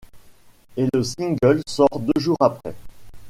Et le single sort deux jours après.